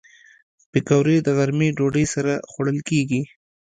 پکورې د غرمې ډوډۍ سره خوړل کېږي